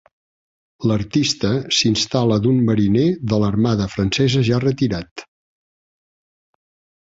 L'artista s'instal·la d'un mariner de l'armada francesa ja retirat.